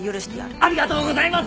ありがとうございます！